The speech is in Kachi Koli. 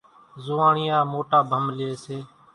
زوئاڻيا موٽا ڀم لئي سي